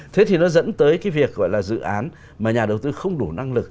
thế thì nó dẫn tới cái việc gọi là dự án mà nhà đầu tư không đủ năng lực